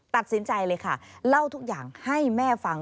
ตัดสินใจเลยค่ะเล่าทุกอย่างให้แม่ฟัง